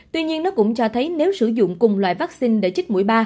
tuy nhiên nó cũng cho thấy nếu sử dụng cùng loại vaccine để chích mũi ba